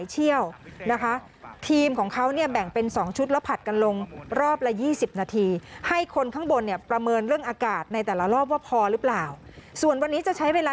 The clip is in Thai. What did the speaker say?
เหมือนเป็นพลเมืองดี